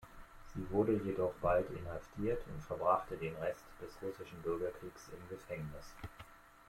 Sie wurden jedoch bald inhaftiert und verbrachten den Rest des Russischen Bürgerkrieges im Gefängnis.